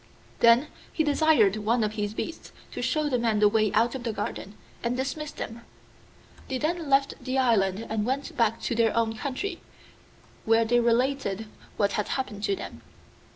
Then he desired one of his beasts to show the men the way out of the garden, and dismissed them. They then left the island and went back to their own country, where they related what had happened to them.